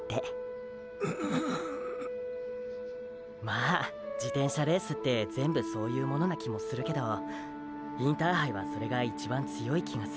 まぁ自転車レースって全部そういうものな気もするけどインターハイはそれが一番強い気がする。